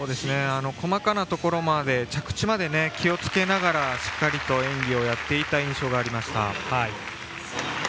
細かなところまで着地まで気をつけながらしっかりと演技をやっていた印象がありました。